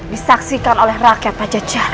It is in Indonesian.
disaksikan oleh rakyat pajacara